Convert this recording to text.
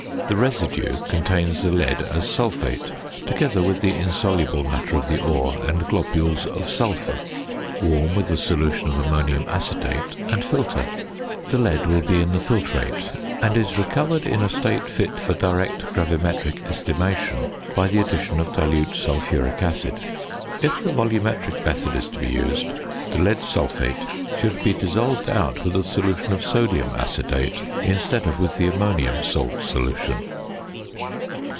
The residue contains the lead as sulphate, together with the insoluble matter of the ore and globules of sulphur. Warm with a solution of ammonium acetate, and filter. The lead will be in the filtrate, and is recovered in a state fit for direct gravimetric estimation by the addition of dilute sulphuric acid. If the volumetric method is to be used, the lead sulphate should be dissolved out with a solution of sodium acetate instead of with the ammonium salt solution.